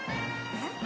えっ？